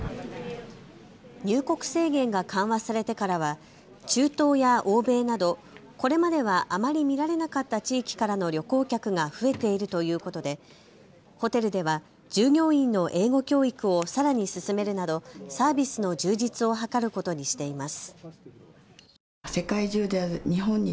入国制限が緩和されてからは中東や欧米などこれまではあまり見られなかった地域からの旅行客が増えているということでホテルでは従業員の英語教育をさらに進めるなどサービスの充実を図ることにしています。